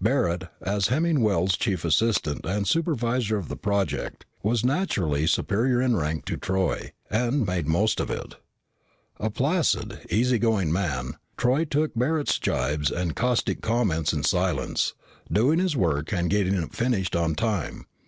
Barret, as Hemmingwell's chief assistant and supervisor of the project, was naturally superior in rank to Troy, and made the most of it. A placid, easy going man, Troy took Barret's gibes and caustic comments in silence, doing his work and getting it finished on time.